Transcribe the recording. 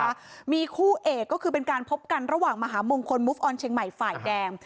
นะคะมีคู่เอกก็คือเป็นการพบกันระหว่างมหามงคลมุฟออนเชียงใหม่ฝ่ายแดง